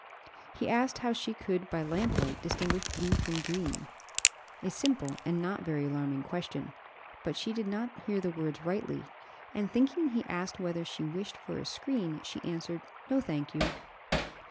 He asked how she could by lamplight distinguish blue from green? a simple and not very alarming question, but she did not hear the words rightly, and thinking he asked whether she wished for a screen, she answered "No, thank you."